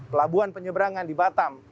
pelabuhan penyeberangan di batam